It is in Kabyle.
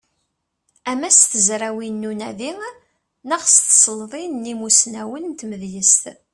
Ama s tezrawin n unadi neɣ s tselḍin n yimussnawen n tmedyazt.